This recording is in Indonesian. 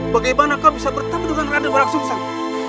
bagaimana kau bisa bertemu dengan raden walang sungsang